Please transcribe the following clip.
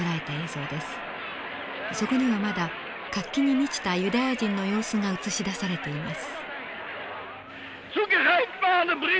そこにはまだ活気に満ちたユダヤ人の様子が映し出されています。